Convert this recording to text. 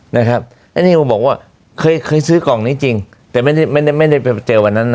นะครับอันนี้ผมบอกว่าเคยเคยซื้อกล่องนี้จริงแต่ไม่ได้ไม่ได้ไม่ได้ไปเจอวันนั้นน่ะ